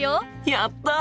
やった！